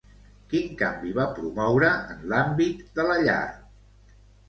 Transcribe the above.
Quin canvi van promoure en l'àmbit de la llar?